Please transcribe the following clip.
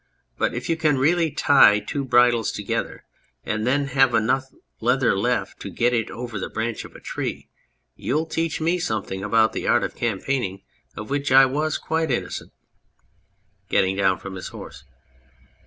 But if you can really tie two bridles together and then have enough leather left to get it over the branch of a tree, you'll teach me something about the art of campaigning of which I was quite inno cent. ... (Getting down from his horse.)